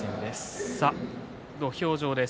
土俵上です。